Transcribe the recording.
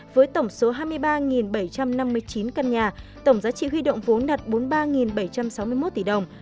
với tổng số hai mươi ba bảy trăm năm mươi chín căn nhà tổng giá trị huy động vốn đạt bốn mươi ba bảy trăm sáu mươi một tỷ đồng